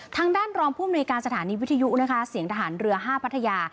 ทางด้านรอมภูมิในการสถานีวิทยุเสียงทหารเรือ๕พัทยา